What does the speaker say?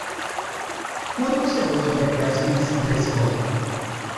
Quando você gosta de pegar as criancinhas da escola?